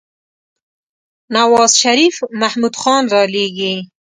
نوازشريف محمود خان رالېږي.